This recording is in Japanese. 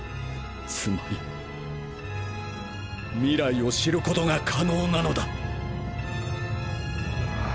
つまり未来を知ることが可能なのだ。